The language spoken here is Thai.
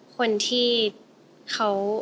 คนที่เขา